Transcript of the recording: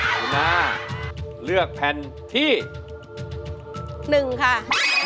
คุณอาเลือกแผ่นที่๑ค่ะ